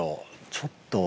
ちょっと